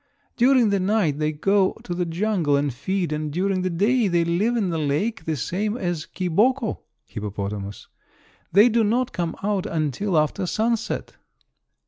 "During the night they go to the jungle and feed and during the day they live in the lake the same as a kiboko (hippopotamus). They do not come out until after sunset."